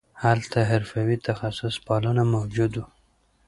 هلته حرفوي تخصص پالنه موجود وو